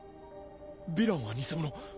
ヴィランは偽物。